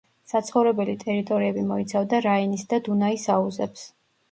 საცხოვრებელი ტერიტორიები მოიცავდა რაინის და დუნაის აუზებს.